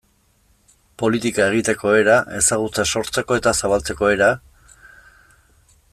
Politika egiteko era, ezagutza sortzeko eta zabaltzeko era...